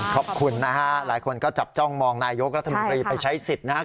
ขอบคุณนะฮะหลายคนก็จับจ้องมองนายกรัฐมนตรีไปใช้สิทธิ์นะครับ